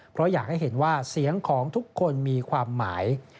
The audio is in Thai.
เพราะอยากให้เห็นว่าเสียงของทุกคนมีความหมาย